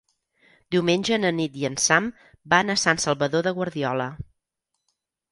Diumenge na Nit i en Sam van a Sant Salvador de Guardiola.